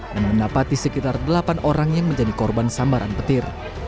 dan mendapati sekitar delapan orang yang menjadi korban samaran petir